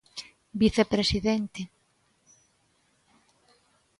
Vicepresidente.